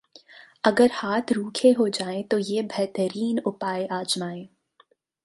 अगर हाथ रूखे हो जाएं तो ये बेहतरीन उपाय अाजमाएं